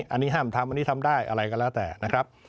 อันนี้ห้ามทำอันนี้ทำได้อะไรก็แล้วแต่นะครับ